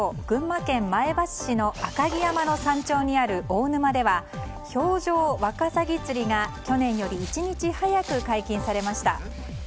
群馬県前橋市の赤城山の山頂にある大沼では、氷上ワカサギ釣りが去年より１日早く解禁されました。